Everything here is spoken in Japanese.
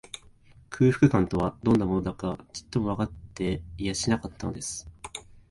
空腹感とは、どんなものだか、ちっともわかっていやしなかったのです